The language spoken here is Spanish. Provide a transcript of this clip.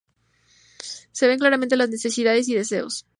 Se ven claramente las necesidades y deseos.